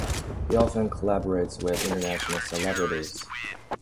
He often collaborates with international celebrities.